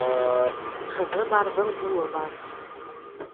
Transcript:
Ҡыҙы барҙың улы бар.